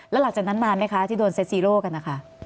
แล้วหลังจากนั้นนานไหมคะที่โดนเซ็ตซีโร่กันนะคะ